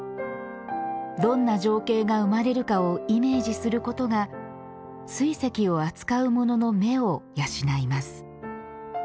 どんな情景が生まれるかをイメージすることが水石を扱う者の目を養います。